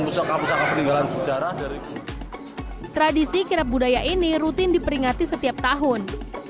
pusaka pusaka peninggalan sejarah dari tradisi kirap budaya ini rutin diperingati setiap tahun